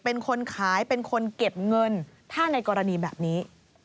เป็นคนขายเป็นคนเก็บเงินถ้าในกรณีแบบนี้